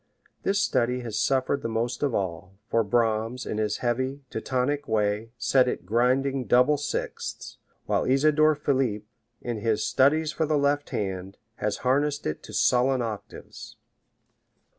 This study has suffered the most of all, for Brahms, in his heavy, Teutonic way, set it grinding double sixths, while Isidor Philipp, in his "Studies for the Left Hand," has harnessed it to sullen octaves.